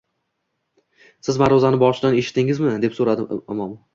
Siz maʼruzani boshidan eshitdingizmi? – deb soʻrabdi imom